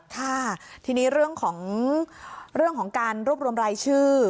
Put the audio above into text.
ค่ะทีนี้เรื่องของการรวบรวมรายชื่อ